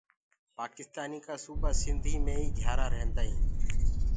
پآڪِستآني ڪآ سوُبآ سندهيٚ مينٚ ئي گھِيآرآ ريهدآئين۔